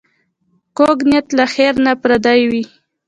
کوږ نیت له خېر نه پردی وي